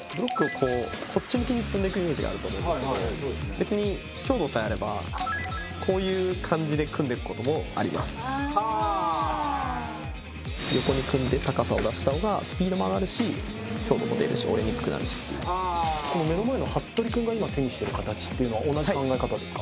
こうこっち向きに積んでいくイメージがあると思うんですけどべつに強度さえあればこういう感じで組んでいくこともありますはあ横に組んで高さを出した方がスピードも上がるし強度も出るし折れにくくなるしっていう目の前の服部君が今手にしてる形っていうのは同じ考え方ですか？